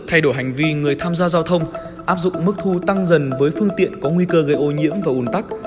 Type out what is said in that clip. thay đổi hành vi người tham gia giao thông áp dụng mức thu tăng dần với phương tiện có nguy cơ gây ô nhiễm và ủn tắc